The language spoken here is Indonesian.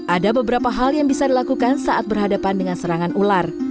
ada beberapa hal yang bisa dilakukan saat berhadapan dengan serangan ular